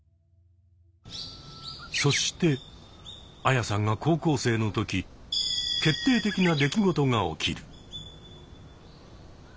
そしてアヤさんが高校生の時決定的な出来事が起きる。